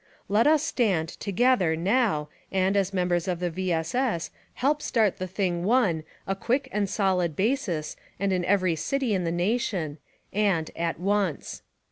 Let us stand to gether now, and, as members of the V. S. _S., help start the thing one a quick and solid basis and in every city in the nation, and— at once.